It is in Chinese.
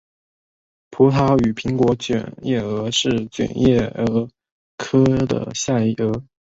葡萄与苹果卷叶蛾是卷叶蛾科下的一种蛾。